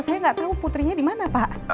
saya nggak tahu putrinya di mana pak